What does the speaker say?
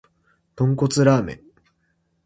豚骨ラーメン